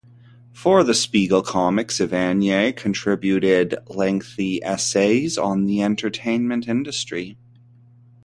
For the Spiegle comics, Evanier contributed lengthy essays on the entertainment industry.